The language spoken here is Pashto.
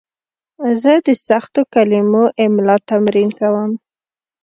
زه د سختو کلمو املا تمرین کوم.